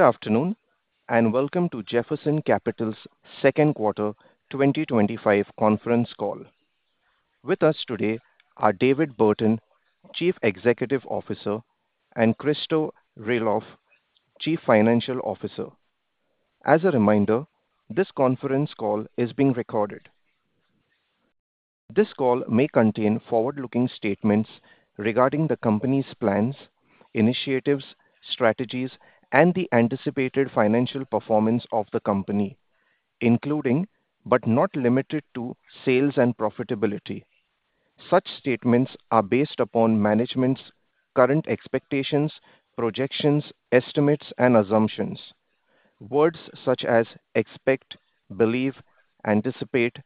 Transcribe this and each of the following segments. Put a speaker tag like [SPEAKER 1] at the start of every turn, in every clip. [SPEAKER 1] Good afternoon, and welcome to Jefferson Capital's Second Quarter 2025 Conference Call. With us today are David Burton, Chief Executive Officer, and Christo Realov, Chief Financial Officer. As a reminder, this conference call is being recorded. This call may contain forward-looking statements regarding the company's plans, initiatives, strategies, and the anticipated financial performance of the company, including but not limited to sales and profitability. Such statements are based upon management's current expectations, projections, estimates, and assumptions. Words such as expect, believe, anticipate,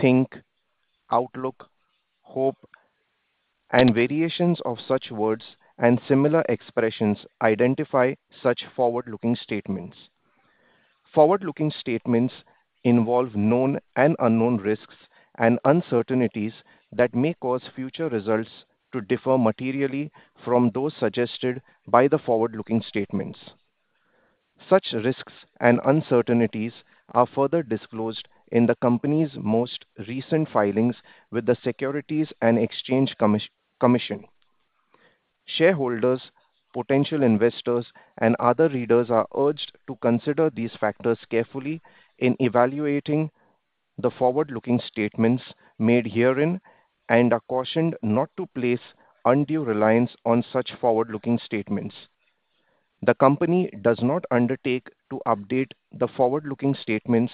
[SPEAKER 1] think, outlook, hope, and variations of such words and similar expressions identify such forward-looking statements. Forward-looking statements involve known and unknown risks and uncertainties that may cause future results to differ materially from those suggested by the forward-looking statements. Such risks and uncertainties are further disclosed in the company's most recent filings with the Securities and Exchange Commission. Shareholders, potential investors, and other readers are urged to consider these factors carefully in evaluating the forward-looking statements made herein and are cautioned not to place undue reliance on such forward-looking statements. The company does not undertake to update the forward-looking statements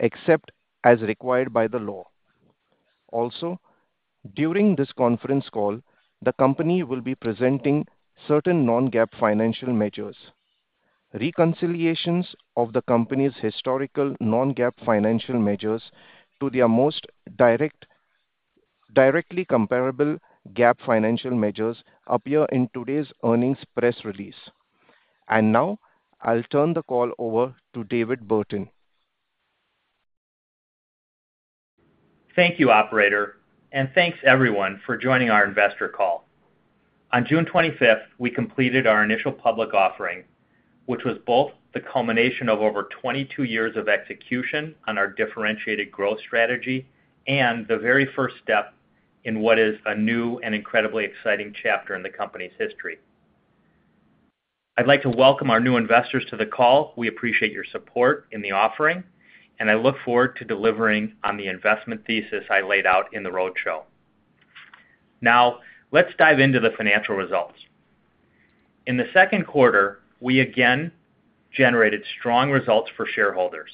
[SPEAKER 1] except as required by the law. Also, during this conference call, the company will be presenting certain non-GAAP financial measures. Reconciliations of the company's historical non-GAAP financial measures to their most directly comparable GAAP financial measures appear in today's earnings press release. Now, I'll turn the call over to David Burton.
[SPEAKER 2] Thank you, Operator, and thanks everyone for joining our Investor Call. On June 25, we completed our initial public offering, which was both the culmination of over 22 years of execution on our differentiated growth strategy and the very first step in what is a new and incredibly exciting chapter in the company's history. I'd like to welcome our new investors to the call. We appreciate your support in the offering, and I look forward to delivering on the investment thesis I laid out in the roadshow. Now, let's dive into the financial results. In the second quarter, we again generated strong results for shareholders.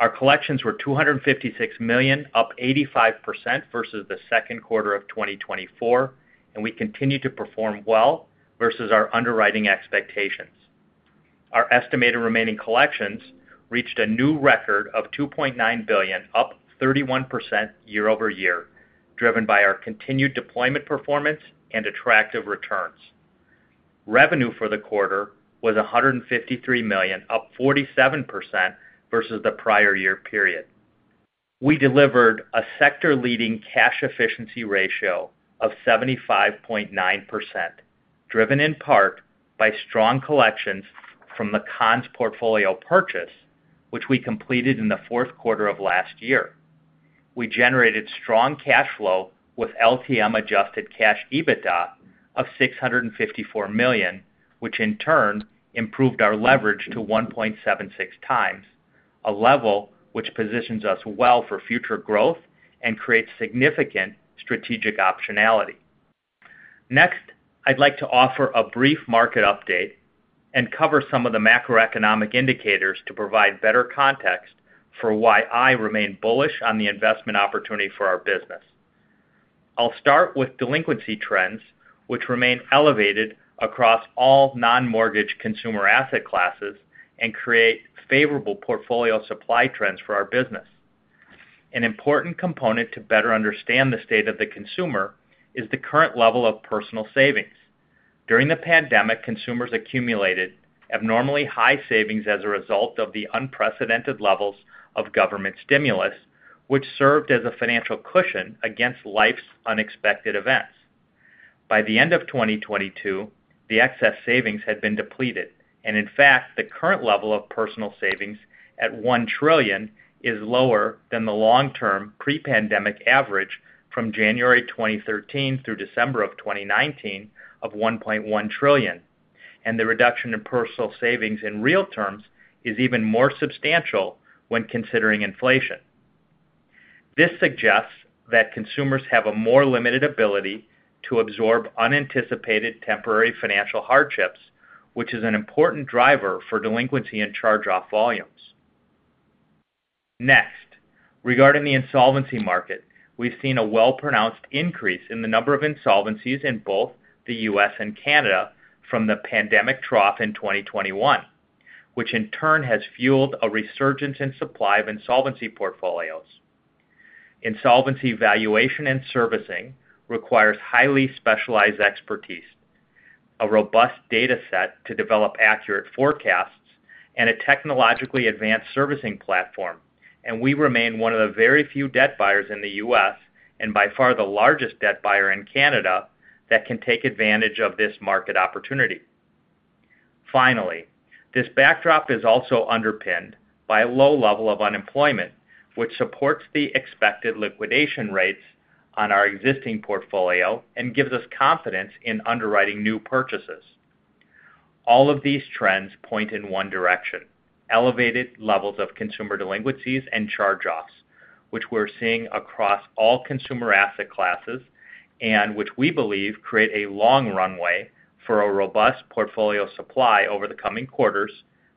[SPEAKER 2] Our collections were $256 million, up 85% versus the second quarter of 2024, and we continued to perform well versus our underwriting expectations. Our estimated remaining collections reached a new record of $2.9 billion, up 31% year-over-year, driven by our continued deployment performance and attractive returns. Revenue for the quarter was $153 million, up 47% versus the prior year period. We delivered a sector-leading cash efficiency ratio of 75.9%, driven in part by strong collections from the Conn's portfolio purchase, which we completed in the fourth quarter of last year. We generated strong cash flow with LTM-adjusted cash EBITDA of $654 million, which in turn improved our leverage to 1.76x, a level which positions us well for future growth and creates significant strategic optionality. Next, I'd like to offer a brief market update and cover some of the macro-economic indicators to provide better context for why I remain bullish on the investment opportunity for our business. I'll start with delinquency trends, which remain elevated across all non-mortgage consumer asset classes and create favorable portfolio supply trends for our business. An important component to better understand the state of the consumer is the current level of personal savings. During the pandemic, consumers accumulated abnormally high savings as a result of the unprecedented levels of government stimulus, which served as a financial cushion against life's unexpected events. By the end of 2022, the excess savings had been depleted, and in fact, the current level of personal savings at $1 trillion is lower than the long-term pre-pandemic average from January 2013 through December 2019 of $1.1 trillion, and the reduction in personal savings in real terms is even more substantial when considering inflation. This suggests that consumers have a more limited ability to absorb unanticipated temporary financial hardships, which is an important driver for delinquency and charge-off volumes. Next, regarding the insolvency market, we've seen a well-pronounced increase in the number of insolvencies in both the U.S. and Canada from the pandemic trough in 2021, which in turn has fueled a resurgence in supply of insolvency portfolios. Insolvency valuation and servicing requires highly specialized expertise, a robust dataset to develop accurate forecasts, and a technologically advanced servicing platform, and we remain one of the very few debt buyers in the U.S. and by far the largest debt buyer in Canada that can take advantage of this market opportunity. Finally, this backdrop is also underpinned by a low level of unemployment, which supports the expected liquidation rates on our existing portfolio and gives us confidence in underwriting new purchases. All of these trends point in one direction: elevated levels of consumer delinquencies and charge-offs, which we're seeing across all consumer asset classes and which we believe create a long runway for a robust portfolio supply over the coming quarters,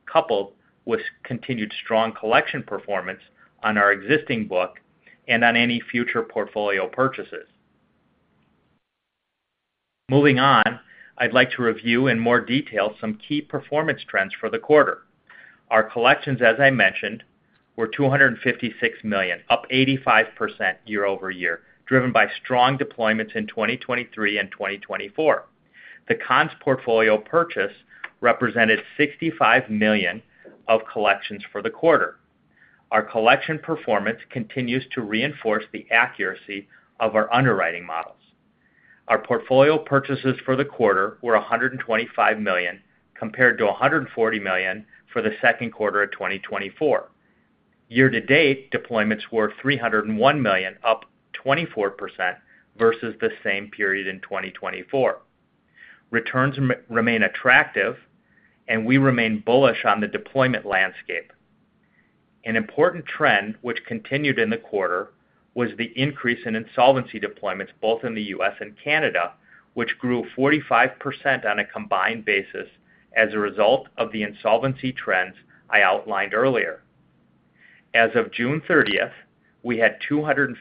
[SPEAKER 2] coupled with continued strong collection performance on our existing book and on any future portfolio purchases. Moving on, I'd like to review in more detail some key performance trends for the quarter. Our collections, as I mentioned, were $256 million, up 85% year-over-year, driven by strong deployments in 2023 and 2024. The Conn's portfolio purchase represented $65 million of collections for the quarter. Our collection performance continues to reinforce the accuracy of our underwriting models. Our portfolio purchases for the quarter were $125 million, compared to $140 million for the second quarter of 2024. Year-to-date deployments were $301 million, up 24% versus the same period in 2024. Returns remain attractive, and we remain bullish on the deployment landscape. An important trend which continued in the quarter was the increase in insolvency deployments both in the U.S. and Canada, which grew 45% on a combined basis as a result of the insolvency trends I outlined earlier. As of June 30th, we had $257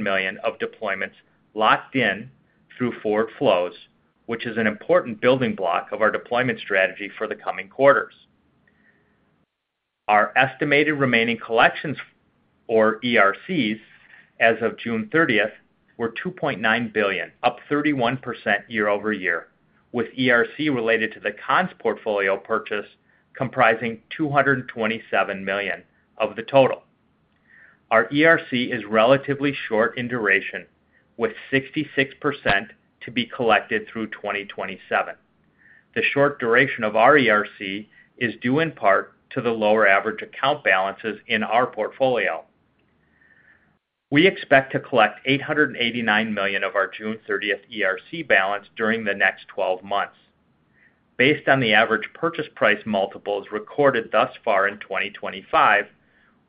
[SPEAKER 2] million of deployments locked in through forward flows, which is an important building block of our deployment strategy for the coming quarters. Our estimated remaining collections, or ERCs, as of June 30th were $2.9 billion, up 31% year-over-year, with ERC related to the Conn's portfolio purchase comprising $227 million of the total. Our ERC is relatively short in duration, with 66% to be collected through 2027. The short duration of our ERC is due in part to the lower average account balances in our portfolio. We expect to collect $889 million of our June 30th ERC balance during the next 12 months. Based on the average purchase price multiples recorded thus far in 2025,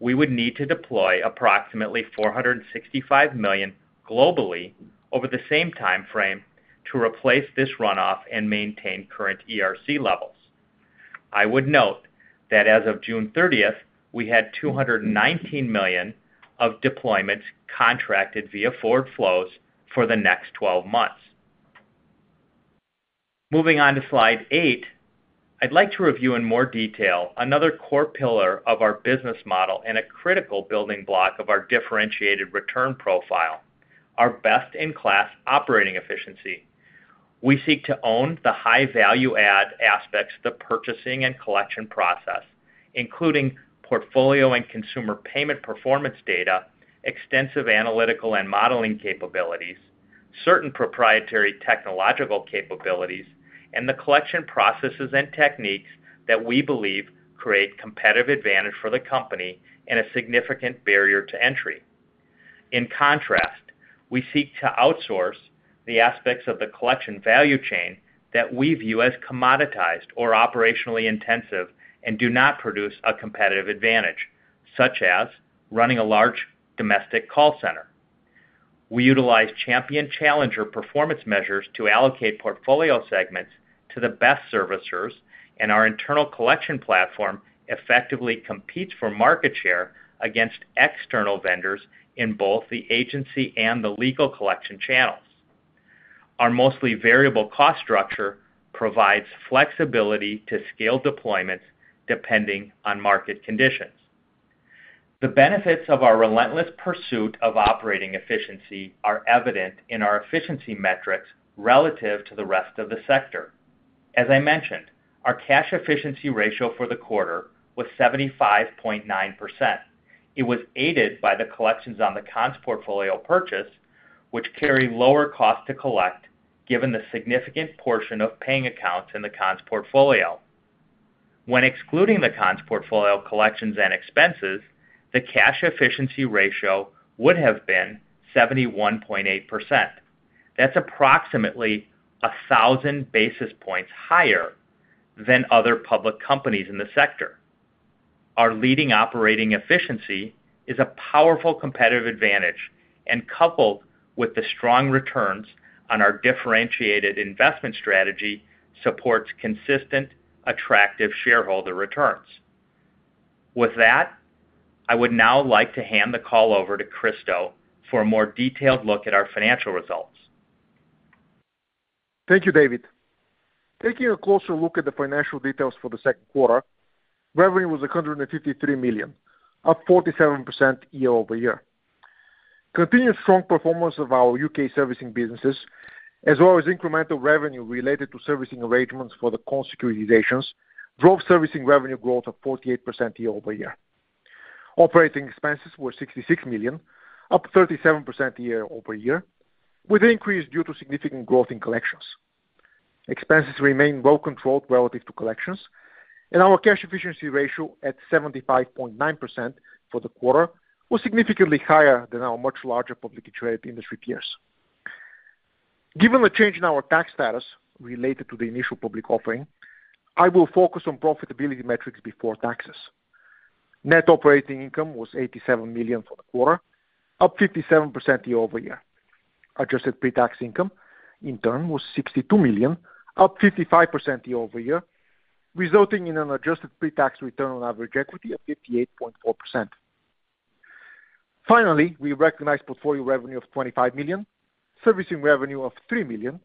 [SPEAKER 2] we would need to deploy approximately $465 million globally over the same timeframe to replace this runoff and maintain current ERC levels. I would note that as of June 30th, we had $219 million of deployments contracted via forward flows for the next 12 months. Moving on to slide eight, I'd like to review in more detail another core pillar of our business model and a critical building block of our differentiated return profile: our best-in-class operating efficiency. We seek to own the high value-add aspects of the purchasing and collection process, including portfolio and consumer payment performance data, extensive analytical and modeling capabilities, certain proprietary technological capabilities, and the collection processes and techniques that we believe create competitive advantage for the company and a significant barrier to entry. In contrast, we seek to outsource the aspects of the collection value chain that we view as commoditized or operationally intensive and do not produce a competitive advantage, such as running a large domestic call center. We utilize Champion Challenger performance measures to allocate portfolio segments to the best servicers, and our internal collection platform effectively competes for market share against external vendors in both the agency and the legal collection channels. Our mostly variable cost structure provides flexibility to scale deployments depending on market conditions. The benefits of our relentless pursuit of operating efficiency are evident in our efficiency metrics relative to the rest of the sector. As I mentioned, our cash efficiency ratio for the quarter was 75.9%. It was aided by the collections on the Conn's portfolio purchase, which carry lower costs to collect, given the significant portion of paying accounts in the Conn's portfolio. When excluding the Conn's portfolio collections and expenses, the cash efficiency ratio would have been 71.8%. That's approximately 1,000 basis points higher than other public companies in the sector. Our leading operating efficiency is a powerful competitive advantage, and coupled with the strong returns on our differentiated investment strategy, supports consistent, attractive shareholder returns. With that, I would now like to hand the call over to Christo Realov for a more detailed look at our financial results.
[SPEAKER 3] Thank you, David. Taking a closer look at the financial details for the second quarter, revenue was $153 million, up 47% year-over-year. Continued strong performance of our U.K. servicing businesses, as well as incremental revenue related to servicing arrangements for the core securitizations, drove servicing revenue growth of 48% year-over-year. Operating expenses were $66 million, up 37% year-over-year, with an increase due to significant growth in collections. Expenses remain well controlled relative to collections, and our cash efficiency ratio at 75.9% for the quarter was significantly higher than our much larger public interest rate industry peers. Given the change in our tax status related to the initial public offering, I will focus on profitability metrics before taxes. Net operating income was $87 million for the quarter, up 57% year-over-year. Adjusted pre-tax income, in turn, was $62 million, up 55% year-over-year, resulting in an adjusted pre-tax return on average equity of 58.4%. Finally, we recognize portfolio revenue of $25 million, servicing revenue of $3 million,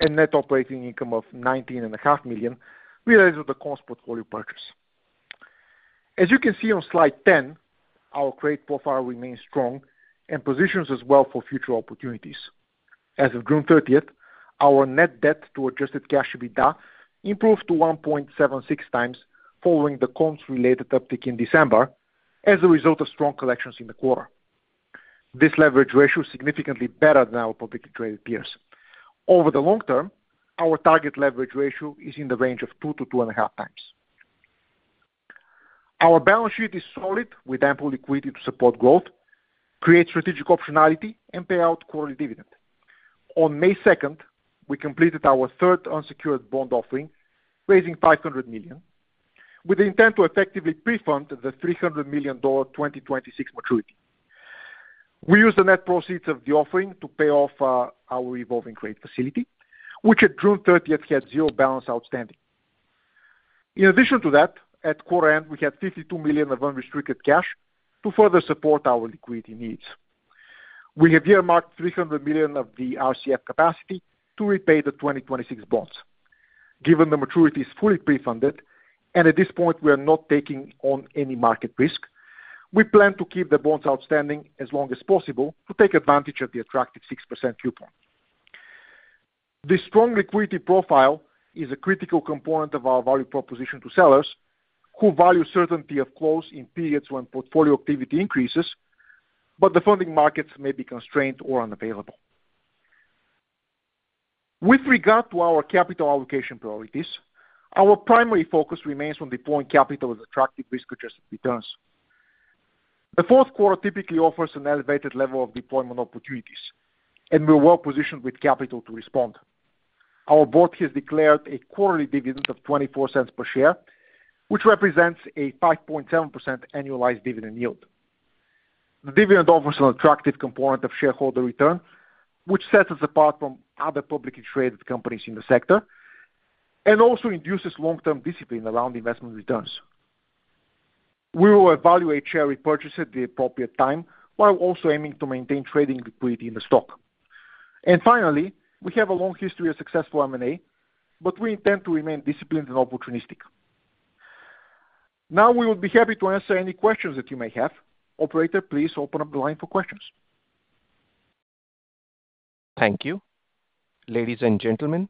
[SPEAKER 3] and net operating income of $19.5 million related to the Conn's portfolio purchase. As you can see on slide 10, our credit profile remains strong and positions us well for future opportunities. As of June 30, our net debt to adjusted cash EBITDA improved to 1.76x following the comms-related uptick in December as a result of strong collections in the quarter. This leverage ratio is significantly better than our public interest rate peers. Over the long term, our target leverage ratio is in the range of 2x-2.5x. Our balance sheet is solid, with ample liquidity to support growth, create strategic optionality, and pay out quarterly dividends. On May 2, we completed our third unsecured bond offering, raising $500 million, with the intent to effectively pre-fund the $300 million 2026 maturity. We used the net proceeds of the offering to pay off our revolving credit facility, which at June 30 had zero balance outstanding. In addition to that, at quarter end, we had $52 million of unrestricted cash to further support our liquidity needs. We have earmarked $300 million of the RCF capacity to repay the 2026 bonds. Given the maturity is fully pre-funded, and at this point we are not taking on any market risk, we plan to keep the bonds outstanding as long as possible to take advantage of the attractive 6% coupon. This strong liquidity profile is a critical component of our value proposition to sellers, who value certainty of close in periods when portfolio activity increases, but the funding markets may be constrained or unavailable. With regard to our capital allocation priorities, our primary focus remains on deploying capital with attractive risk-adjusted returns. A fourth quarter typically offers an elevated level of deployment opportunities, and we're well positioned with capital to respond. Our board has declared a quarterly dividend of $0.24/share, which represents a 5.7% annualized dividend yield. The dividend offers an attractive component of shareholder return, which sets us apart from other publicly traded companies in the sector and also induces long-term discipline around investment returns. We will evaluate share repurchases at the appropriate time while also aiming to maintain trading liquidity in the stock. Finally, we have a long history of successful M&A, but we intend to remain disciplined and opportunistic. Now, we would be happy to answer any questions that you may have. Operator, please open up the line for questions.
[SPEAKER 1] Thank you. Ladies and gentlemen,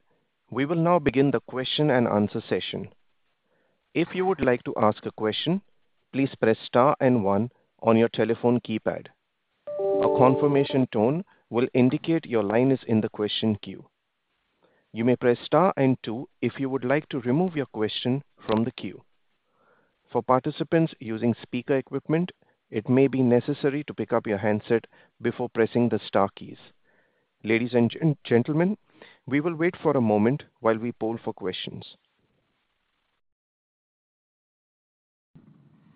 [SPEAKER 1] we will now begin the question and answer session. If you would like to ask a question, please press star and one on your telephone keypad. A confirmation tone will indicate your line is in the question queue. You may press star and two if you would like to remove your question from the queue. For participants using speaker equipment, it may be necessary to pick up your handset before pressing the star keys. Ladies and gentlemen, we will wait for a moment while we poll for questions.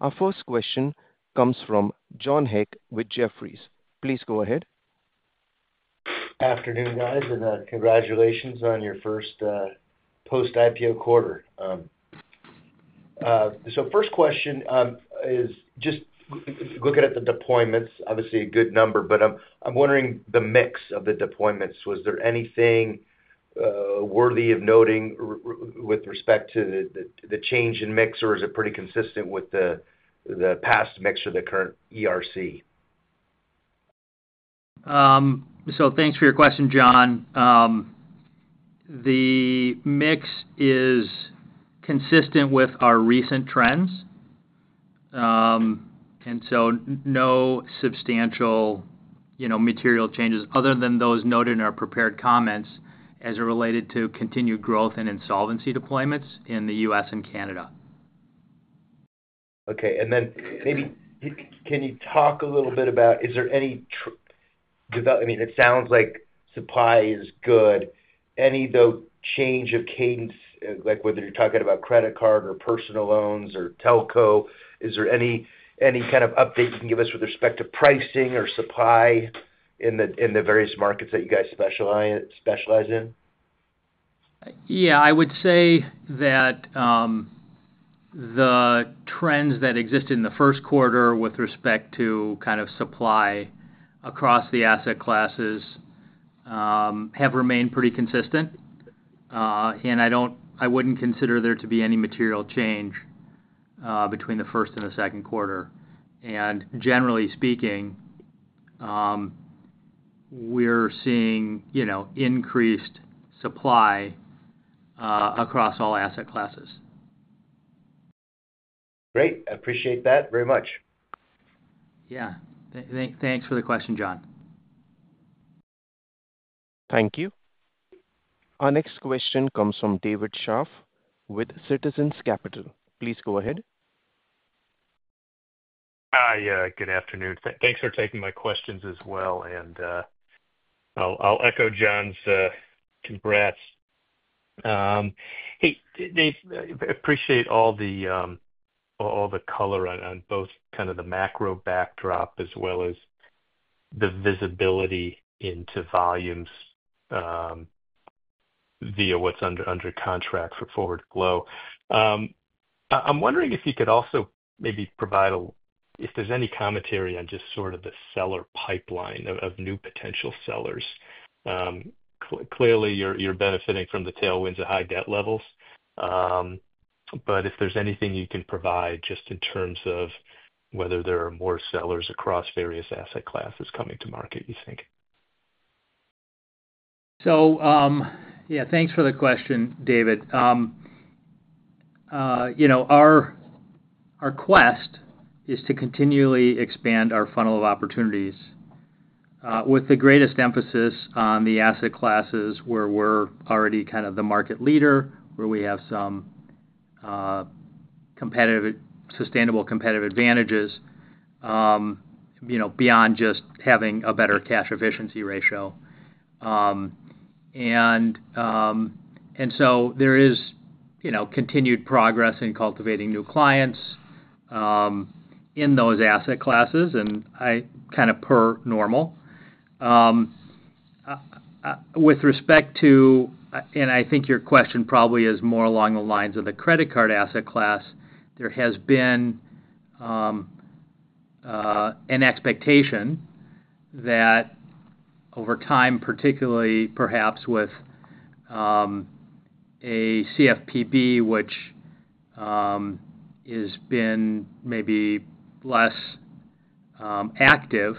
[SPEAKER 1] Our first question comes from John Heck with Jefferies. Please go ahead.
[SPEAKER 4] Afternoon, guys, and congratulations on your first post-IPO quarter. First question is just looking at the deployments. Obviously, a good number, but I'm wondering the mix of the deployments. Was there anything worthy of noting with respect to the change in mix, or is it pretty consistent with the past mix or the current ERC?
[SPEAKER 2] Thank you for your question, John. The mix is consistent with our recent trends, and no substantial, you know, material changes other than those noted in our prepared comments as it related to continued growth and insolvency deployments in the U.S. and Canada.
[SPEAKER 4] Okay. Maybe can you talk a little bit about, is there any development? It sounds like supply is good. Any change of cadence, like whether you're talking about credit card or personal loans or telco? Is there any kind of update you can give us with respect to pricing or supply in the various markets that you guys specialize in?
[SPEAKER 2] Yeah, I would say that the trends that exist in the first quarter with respect to kind of supply across the asset classes have remained pretty consistent. I wouldn't consider there to be any material change between the first and the second quarter. Generally speaking, we're seeing increased supply across all asset classes.
[SPEAKER 4] Great. I appreciate that very much.
[SPEAKER 2] Yeah, thanks for the question, John.
[SPEAKER 1] Thank you. Our next question comes from David Schaff with Citizens Capital. Please go ahead.
[SPEAKER 5] Yeah, good afternoon. Thanks for taking my questions as well. I’ll echo John’s congrats. Hey, Dave, I appreciate all the color on both kind of the macro-backdrop as well as the visibility into volumes via what’s under contract for forward flow. I’m wondering if you could also maybe provide, if there’s any commentary on just sort of the seller pipeline of new potential sellers. Clearly, you’re benefiting from the tailwinds of high debt levels. If there’s anything you can provide just in terms of whether there are more sellers across various asset classes coming to market, you think?
[SPEAKER 2] Thank you for the question, David. Our quest is to continually expand our funnel of opportunities with the greatest emphasis on the asset classes where we're already kind of the market leader, where we have some sustainable competitive advantages, beyond just having a better cash efficiency ratio. There is continued progress in cultivating new clients in those asset classes, kind of per normal. With respect to, and I think your question probably is more along the lines of the credit card asset class, there has been an expectation that over time, particularly perhaps with a CFPB, which has been maybe less active,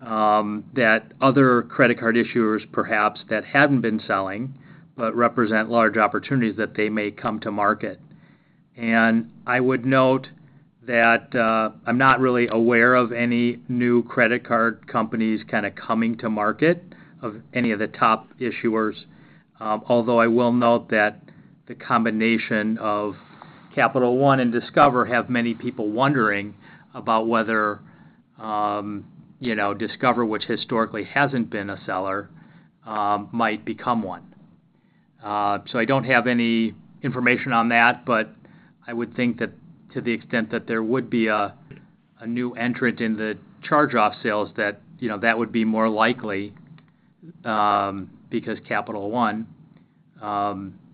[SPEAKER 2] that other credit card issuers perhaps that hadn't been selling but represent large opportunities, that they may come to market. I would note that I'm not really aware of any new credit card companies coming to market of any of the top issuers, although I will note that the combination of Capital One and Discover have many people wondering about whether Discover, which historically hasn't been a seller, might become one. I don't have any information on that, but I would think that to the extent that there would be a new entrant in the charge-off sales, that would be more likely because Capital One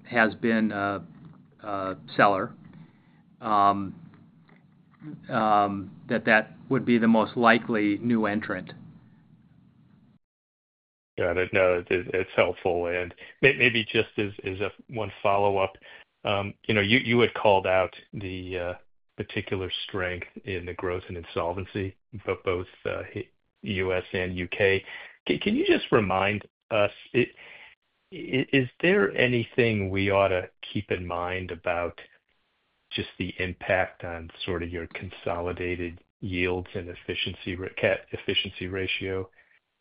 [SPEAKER 2] has been a seller, that that would be the most likely new entrant.
[SPEAKER 5] Got it. No, it's helpful. Maybe just as one follow-up, you know, you had called out the particular strength in the growth in insolvency for both the U.S. and U.K. Can you just remind us, is there anything we ought to keep in mind about just the impact on sort of your consolidated yields and efficiency ratio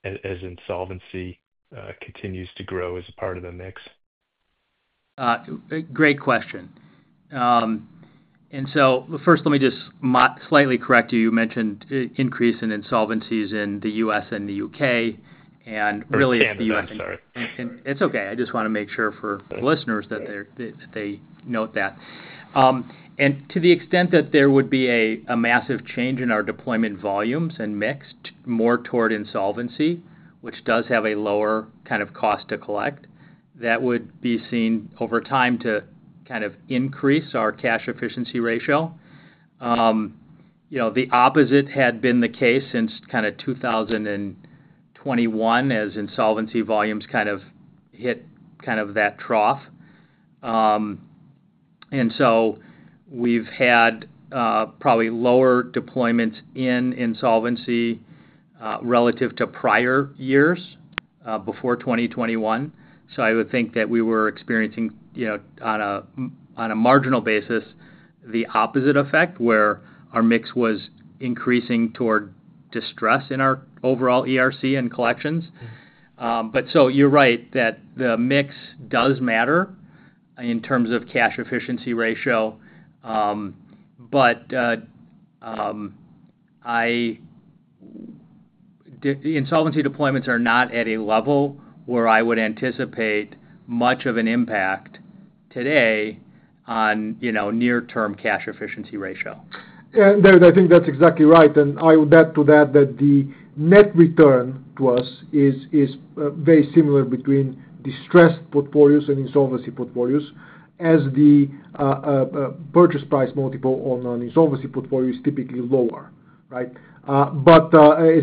[SPEAKER 5] as insolvency continues to grow as a part of the mix?
[SPEAKER 2] Great question. First, let me just slightly correct you. You mentioned an increase in insolvencies in the U.S. and the U.K., and really the U.S.
[SPEAKER 5] Yeah, I'm sorry.
[SPEAKER 2] It's okay. I just want to make sure for listeners that they note that. To the extent that there would be a massive change in our deployment volumes and mix more toward insolvency, which does have a lower kind of cost to collect, that would be seen over time to increase our cash efficiency ratio. The opposite had been the case since 2021 as insolvency volumes hit that trough. We've had probably lower deployments in insolvency relative to prior years before 2021. I would think that we were experiencing, on a marginal basis, the opposite effect where our mix was increasing toward distress in our overall ERC and collections. You're right that the mix does matter in terms of cash efficiency ratio, but insolvency deployments are not at a level where I would anticipate much of an impact today on near-term cash efficiency ratio.
[SPEAKER 3] I think that's exactly right. I would add to that that the net return to us is very similar between distressed portfolios and insolvency portfolios, as the purchase price multiple on an insolvency portfolio is typically lower, right? As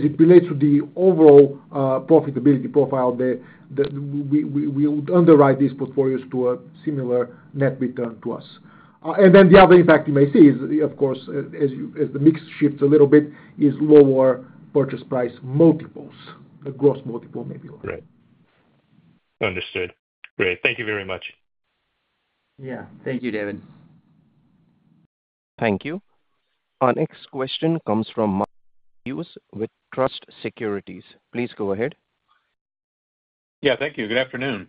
[SPEAKER 3] it relates to the overall profitability profile, we would underwrite these portfolios to a similar net return to us. The other impact you may see is, of course, as the mix shifts a little bit, is lower purchase price multiples, the gross multiple may be lower.
[SPEAKER 5] Right. Understood. Great. Thank you very much.
[SPEAKER 2] Yeah, thank you, David.
[SPEAKER 1] Thank you. Our next question comes from Mark Hughes with Truist Securities. Please go ahead.
[SPEAKER 6] Yeah, thank you. Good afternoon.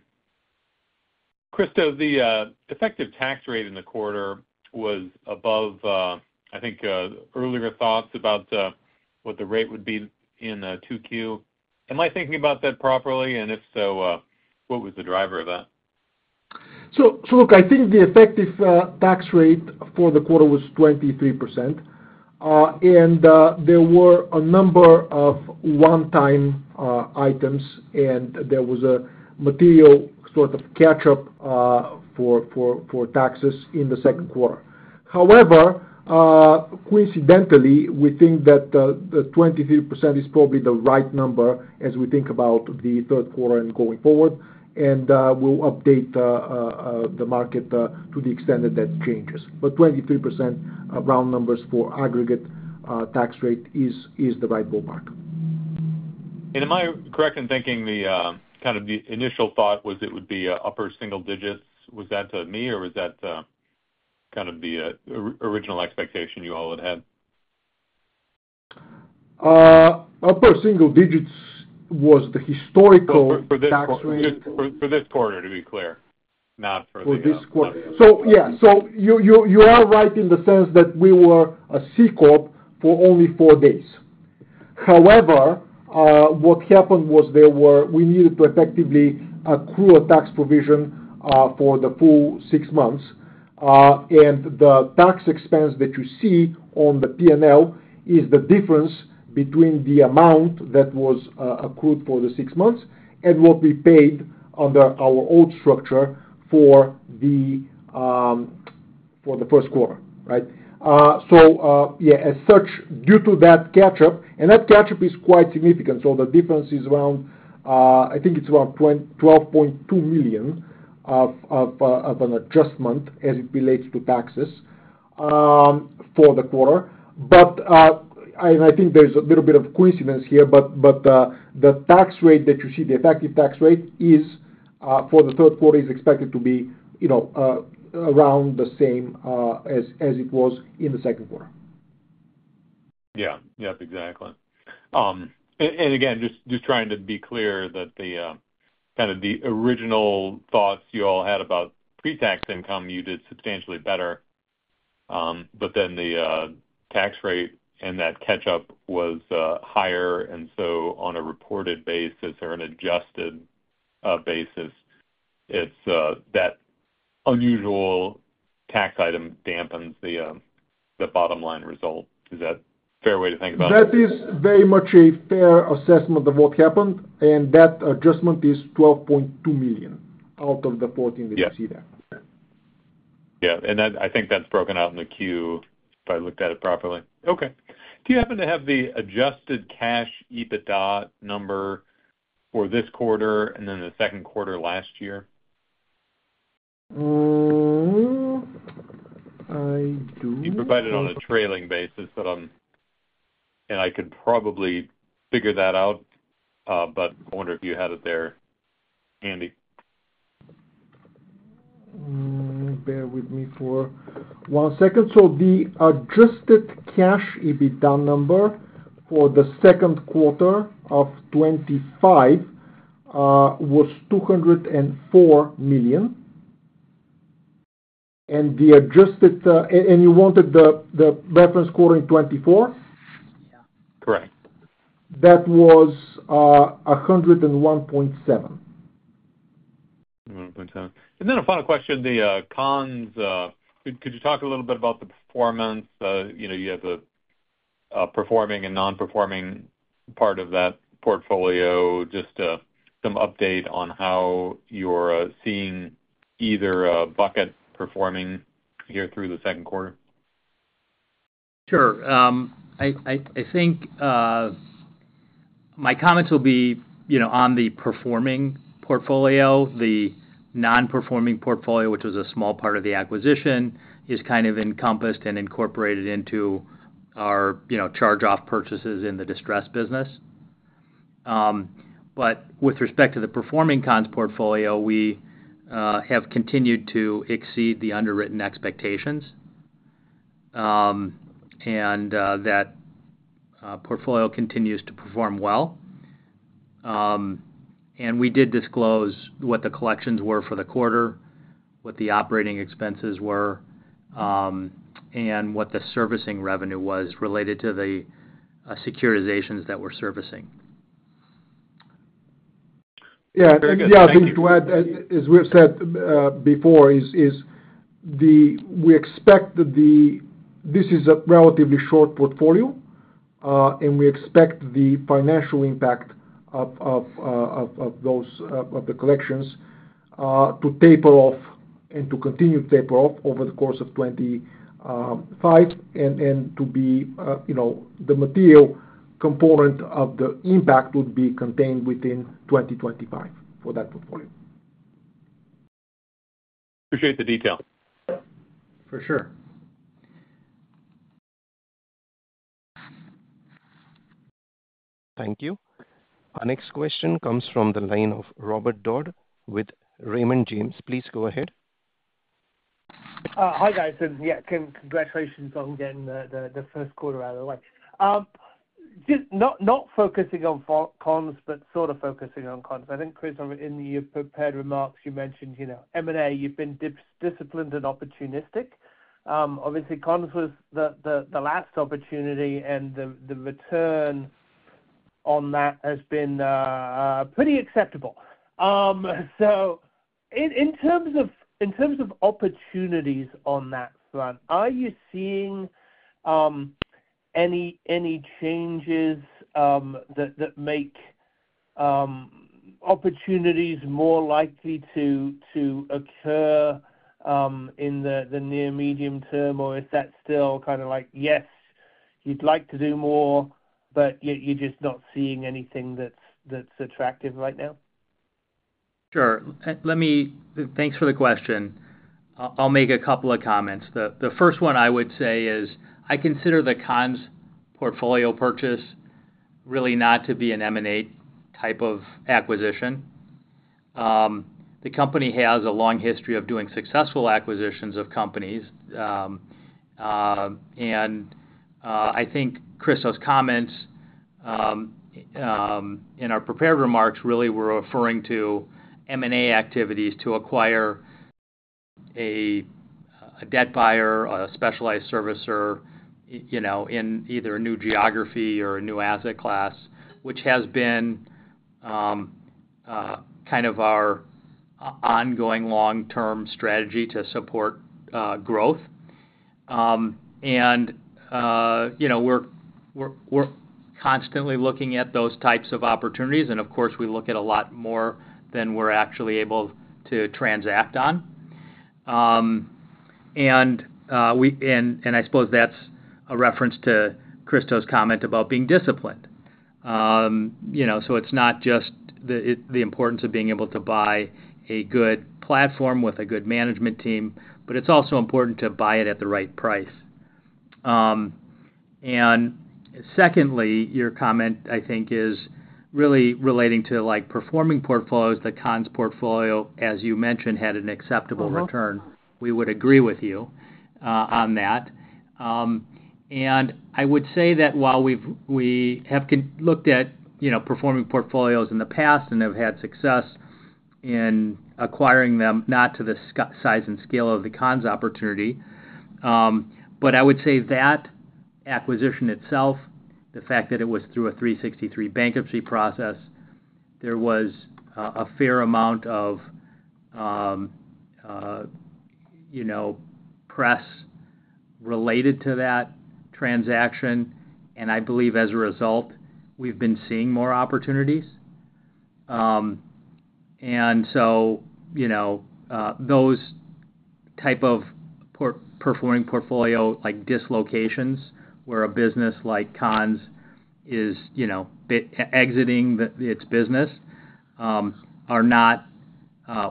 [SPEAKER 6] Christo, the effective tax rate in the quarter was above, I think, earlier thoughts about what the rate would be in 2Q. Am I thinking about that properly? If so, what was the driver of that?
[SPEAKER 3] I think the effective tax rate for the quarter was 23%. There were a number of one-time items, and there was a material sort of catch-up for taxes in the second quarter. However, coincidentally, we think that the 23% is probably the right number as we think about the third quarter and going forward. We'll update the market to the extent that that changes. 23% round numbers for aggregate tax rate is the right ballpark.
[SPEAKER 6] Am I correct in thinking the initial thought was it would be upper single-digits? Was that to me, or was that the original expectation you all had?
[SPEAKER 3] Upper single-digits was the historical tax rate.
[SPEAKER 6] For this quarter, not for this quarter.
[SPEAKER 3] You are right in the sense that we were a C corp for only four days. However, what happened was we needed to effectively accrue a tax provision for the full six months. The tax expense that you see on the P&L is the difference between the amount that was accrued for the six months and what we paid under our old structure for the first quarter, right? As such, due to that catch-up, and that catch-up is quite significant. The difference is around, I think it's around $12.2 million of an adjustment as it relates to taxes for the quarter. I think there's a little bit of coincidence here, but the tax rate that you see, the effective tax rate for the third quarter is expected to be around the same as it was in the second quarter.
[SPEAKER 6] Exactly. Just trying to be clear that the kind of the original thoughts you all had about pre-tax income, you did substantially better, but then the tax rate and that catch-up was higher. On a reported basis or an adjusted basis, that unusual tax item dampens the bottom line result. Is that a fair way to think about it?
[SPEAKER 3] That is very much a fair assessment of what happened. That adjustment is $12.2 million out of the $14 million that you see there.
[SPEAKER 6] Yeah, I think that's broken out in the Q if I looked at it properly. Okay. Do you happen to have the adjusted cash EBITDA number for this quarter and then the second quarter last year?
[SPEAKER 3] I do.
[SPEAKER 6] You provide it on a trailing basis, and I could probably figure that out. I wonder if you had it there handy.
[SPEAKER 3] Bear with me for one second. The adjusted cash EBITDA number for the second quarter of 2025 was $204 million. You wanted the reference quarter in 2024?
[SPEAKER 6] Yeah. Correct.
[SPEAKER 3] That was $101.70.
[SPEAKER 6] $101.7. A final question, the Conn's, could you talk a little bit about the performance? You know, you have a performing and non-performing part of that portfolio, just some update on how you're seeing either bucket performing here through the second quarter?
[SPEAKER 2] Sure. I think my comments will be on the performing portfolio. The non-performing portfolio, which was a small part of the acquisition, is kind of encompassed and incorporated into our charge-off purchases in the distressed business. With respect to the performing Khanz portfolio, we have continued to exceed the underwritten expectations, and that portfolio continues to perform well. We did disclose what the collections were for the quarter, what the operating expenses were, and what the servicing revenue was related to the securitizations that we're servicing.
[SPEAKER 3] Yeah. I think to add, as we've said before, we expect that this is a relatively short portfolio, and we expect the financial impact of the collections to taper off and to continue to taper off over the course of 2025, and the material component of the impact would be contained within 2025 for that portfolio.
[SPEAKER 6] Appreciate the detail.
[SPEAKER 3] For sure.
[SPEAKER 1] Thank you. Our next question comes from the line of Robert Dodd with Raymond James. Please go ahead.
[SPEAKER 7] Hi, guys. Congratulations on getting the first quarter out of the way. Not focusing on Conn's, but sort of focusing on Conn's. I think, Christo, in your prepared remarks, you mentioned M&A, you've been disciplined and opportunistic. Obviously, Conn's was the last opportunity, and the return on that has been pretty acceptable. In terms of opportunities on that front, are you seeing any changes that make opportunities more likely to occur in the near-medium term, or is that still kind of like, yes, you'd like to do more, but you're just not seeing anything that's attractive right now?
[SPEAKER 2] Sure. Thanks for the question. I'll make a couple of comments. The first one I would say is I consider the Khanz portfolio purchase really not to be an M&A type of acquisition. The company has a long history of doing successful acquisitions of companies. I think Christo's comments in our prepared remarks really were referring to M&A activities to acquire a debt buyer, a specialized servicer, you know, in either a new geography or a new asset class, which has been kind of our ongoing long-term strategy to support growth. We're constantly looking at those types of opportunities. Of course, we look at a lot more than we're actually able to transact on. I suppose that's a reference to Christo's comment about being disciplined. It's not just the importance of being able to buy a good platform with a good management team, but it's also important to buy it at the right price. Secondly, your comment, I think, is really relating to performing portfolios. The Conn's portfolio, as you mentioned, had an acceptable return. We would agree with you on that. I would say that while we have looked at performing portfolios in the past and have had success in acquiring them, not to the size and scale of the Conn's opportunity, I would say that acquisition itself, the fact that it was through a 363 bankruptcy process, there was a fair amount of press related to that transaction. I believe as a result, we've been seeing more opportunities. Those types of performing portfolio dislocations where a business like Conn's is exiting its business are not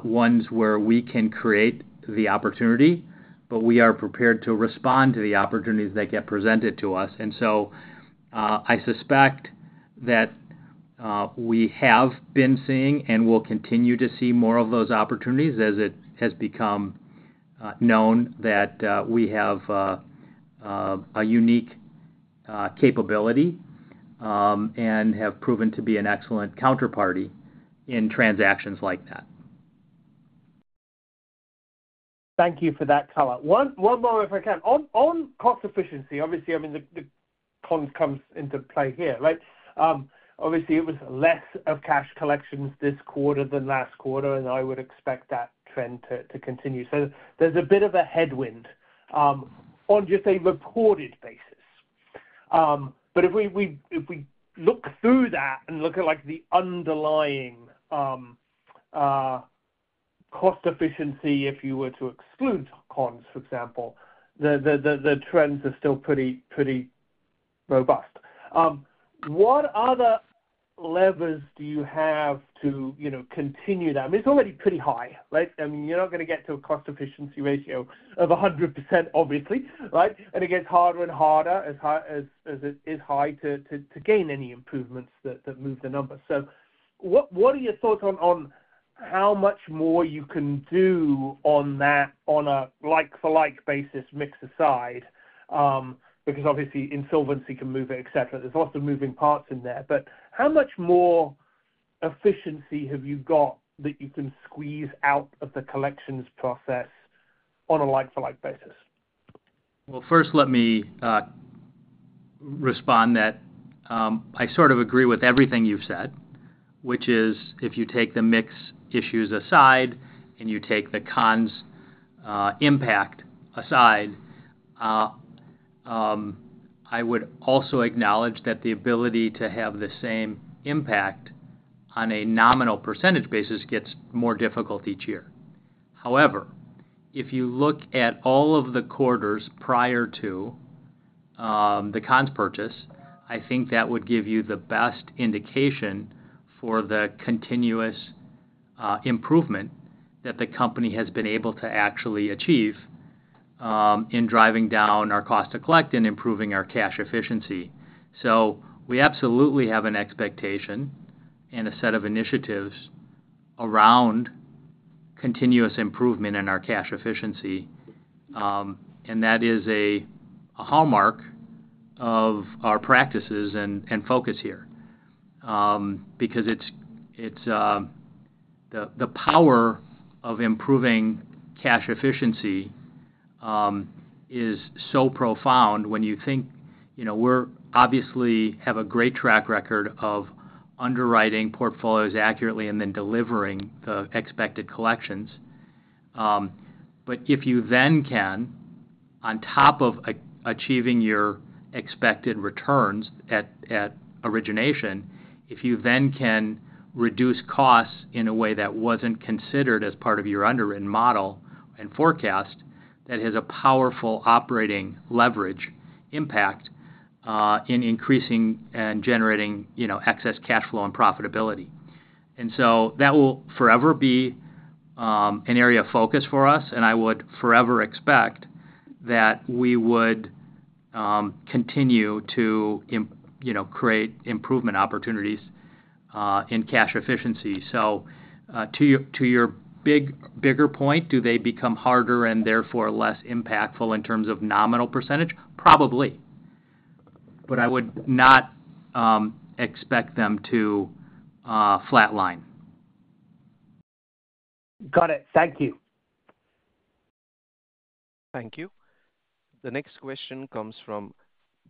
[SPEAKER 2] ones where we can create the opportunity, but we are prepared to respond to the opportunities that get presented to us. I suspect that we have been seeing and will continue to see more of those opportunities as it has become known that we have a unique capability and have proven to be an excellent counterparty in transactions like that.
[SPEAKER 7] Thank you for that color. One moment if I can. On cost efficiency, obviously, the Conn's comes into play here, right? It was less of cash collections this quarter than last quarter, and I would expect that trend to continue. There's a bit of a headwind on just a reported basis. If we look through that and look at the underlying cost efficiency, if you were to exclude Conn's, for example, the trends are still pretty robust. What other levers do you have to continue that? It's already pretty high, right? You're not going to get to a cost efficiency ratio of 100%, right? It gets harder and harder as it is high to gain any improvements that move the numbers. What are your thoughts on how much more you can do on that on a like-for-like basis mix aside? Insolvency can move it, etc. There's lots of moving parts in there. How much more efficiency have you got that you can squeeze out of the collections process on a like-for-like basis?
[SPEAKER 2] First, let me respond that I sort of agree with everything you've said, which is if you take the mix issues aside and you take the Conn's impact aside, I would also acknowledge that the ability to have the same impact on a nominal percentage basis gets more difficult each year. However, if you look at all of the quarters prior to the Conn's purchase, I think that would give you the best indication for the continuous improvement that the company has been able to actually achieve in driving down our cost to collect and improving our cash efficiency. We absolutely have an expectation and a set of initiatives around continuous improvement in our cash efficiency. That is a hallmark of our practices and focus here because the power of improving cash efficiency is so profound when you think, you know, we obviously have a great track record of underwriting portfolios accurately and then delivering the expected collections. If you then can, on top of achieving your expected returns at origination, reduce costs in a way that wasn't considered as part of your underwritten model and forecast, that has a powerful operating leverage impact in increasing and generating, you know, excess cash flow and profitability. That will forever be an area of focus for us. I would forever expect that we would continue to, you know, create improvement opportunities in cash efficiency. To your bigger point, do they become harder and therefore less impactful in terms of nominal percentage? Probably. I would not expect them to flatline.
[SPEAKER 7] Got it. Thank you.
[SPEAKER 1] Thank you. The next question comes from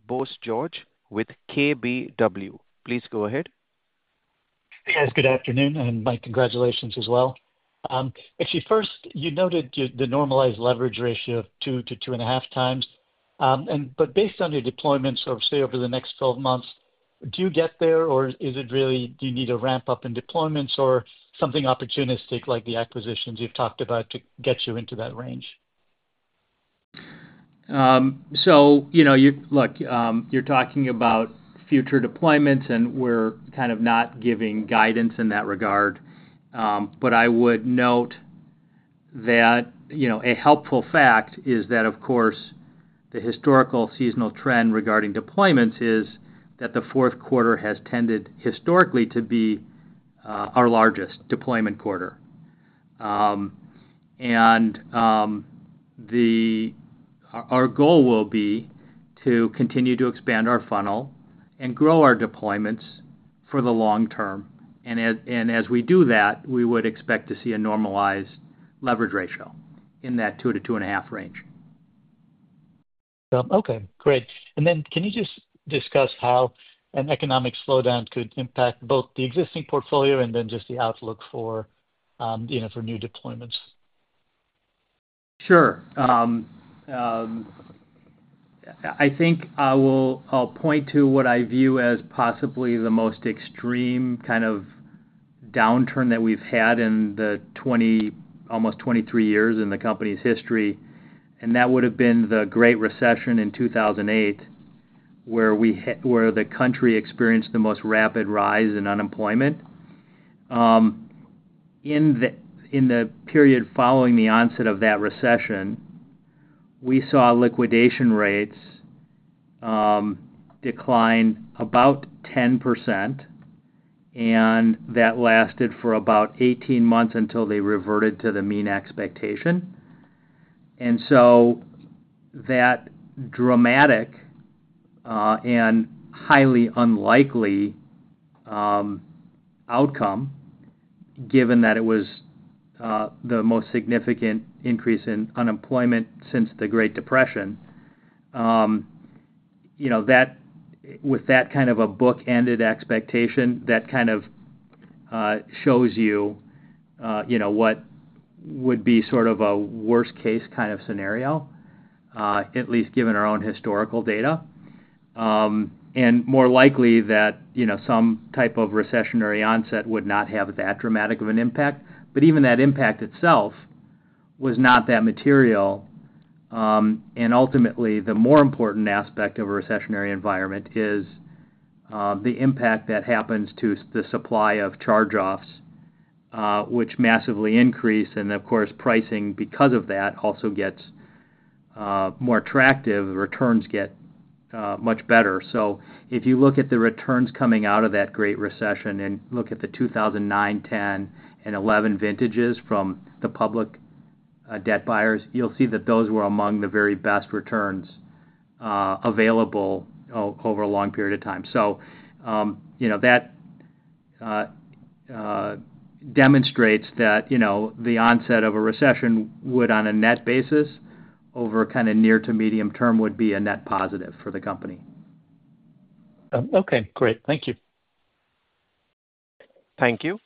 [SPEAKER 1] Bose George with KBW. Please go ahead.
[SPEAKER 8] Yes, good afternoon, and my congratulations as well. You noted the normalized leverage ratio of 2x-2.5x. Based on your deployments, I would say over the next 12 months, do you get there, or do you need a ramp-up in deployments or something opportunistic like the acquisitions you've talked about to get you into that range?
[SPEAKER 2] You're talking about future deployments, and we're kind of not giving guidance in that regard. I would note that a helpful fact is that, of course, the historical seasonal trend regarding deployments is that the fourth quarter has tended historically to be our largest deployment quarter. Our goal will be to continue to expand our funnel and grow our deployments for the long term. As we do that, we would expect to see a normalized leverage ratio in that 2-2.5 range.
[SPEAKER 8] Okay. Great. Can you just discuss how an economic slowdown could impact both the existing portfolio and the outlook for new deployments?
[SPEAKER 2] Sure. I think I'll point to what I view as possibly the most extreme kind of downturn that we've had in the 20, almost 23 years in the company's history. That would have been the Great Recession in 2008, where the country experienced the most rapid rise in unemployment. In the period following the onset of that recession, we saw liquidation rates decline about 10%, and that lasted for about 18 months until they reverted to the mean expectation. That dramatic and highly unlikely outcome, given that it was the most significant increase in unemployment since the Great Depression, with that kind of a book-ended expectation, kind of shows you what would be sort of a worst-case kind of scenario, at least given our own historical data. More likely, some type of recessionary onset would not have that dramatic of an impact. Even that impact itself was not that material. Ultimately, the more important aspect of a recessionary environment is the impact that happens to the supply of charge-offs, which massively increase. Of course, pricing because of that also gets more attractive. Returns get much better. If you look at the returns coming out of that Great Recession and look at the 2009, 2010, and 2011 vintages from the public debt buyers, you'll see that those were among the very best returns available over a long period of time. That demonstrates that the onset of a recession would, on a net basis over kind of near to medium term, be a net positive for the company.
[SPEAKER 8] Okay. Great. Thank you.
[SPEAKER 1] Thank you.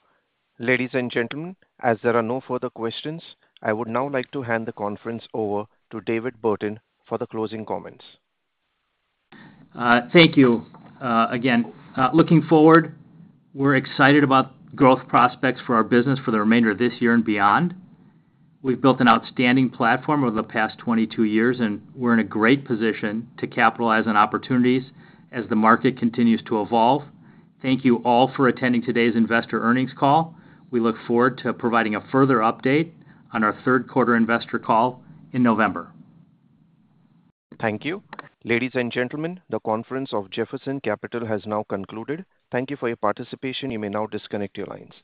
[SPEAKER 1] Ladies and gentlemen, as there are no further questions, I would now like to hand the conference over to David Burton for the closing comments.
[SPEAKER 2] Thank you again. Looking forward, we're excited about growth prospects for our business for the remainder of this year and beyond. We've built an outstanding platform over the past 22 years, and we're in a great position to capitalize on opportunities as the market continues to evolve. Thank you all for attending today's investor earnings call. We look forward to providing a further update on our third quarter investor call in November.
[SPEAKER 1] Thank you. Ladies and gentlemen, the conference of Jefferson Capital has now concluded. Thank you for your participation. You may now disconnect your lines.